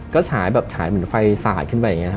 ก็ฉายเหมือนไฟศาดขึ้นไปเอง